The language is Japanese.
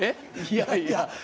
いやいや。